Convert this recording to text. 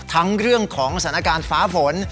ทั้งเรื่องของสถานการณ์ฟ้าฝน